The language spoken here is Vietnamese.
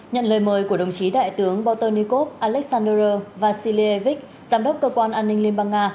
nhận lời mời của đồng chí đại tướng botanikov aleksandr vasilievich giám đốc cơ quan an ninh liên bang nga